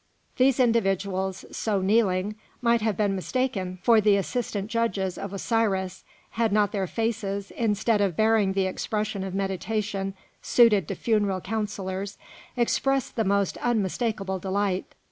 These individuals, so kneeling, might have been mistaken for the assistant judges of Osiris, had not their faces, instead of bearing the expression of meditation suited to funeral councillors, expressed the most unmistakable delight.